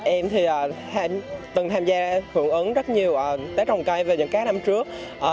em thì từng tham gia hưởng ứng rất nhiều tết trồng cây về những cái năm trước